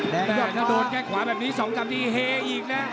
แต่ถ้าโดนแก้งขวาแบบนี้๒๓ที่เฮออีกนะ